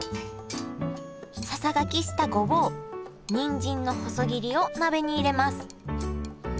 ささがきしたごぼうにんじんの細切りを鍋に入れます。